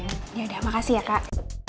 yaudah makasih ya kak